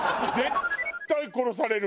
絶対殺されるわ。